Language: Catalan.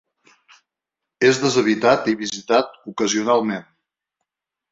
És deshabitat i visitat ocasionalment.